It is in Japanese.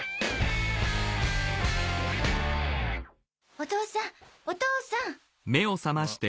お父さんお父さん！